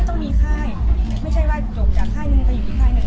ไม่ต้องมีค่ายไม่ใช่ว่าจบอยากค่ายนึงแต่อยู่อีกค่ายนึง